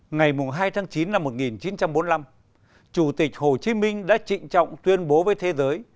ngày hai tháng chín năm một nghìn chín trăm bốn mươi năm chủ tịch hồ chí minh đã trịnh trọng tuyên bố với thế giới